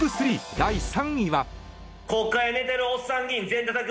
第３位は。